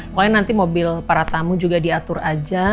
pokoknya nanti mobil para tamu juga diatur aja